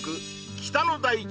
北の大地